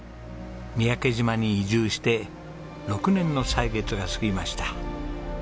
三宅島に移住して６年の歳月が過ぎました。